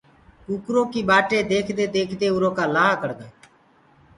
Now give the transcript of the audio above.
ڪُڪَرو ڪي ٻآٽي ديکدي ديکدي اورو ڪآ لآه ڪڙگآ۔